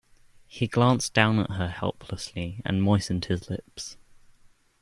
He glanced down at her helplessly, and moistened his lips.